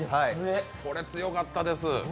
これ、強かったです。